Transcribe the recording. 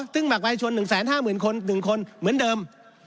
ซึ่งหมากวายชน๑๕๐๐๐คน๑คนเหมือนเดิม